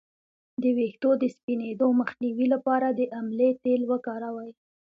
د ویښتو د سپینیدو مخنیوي لپاره د املې تېل وکاروئ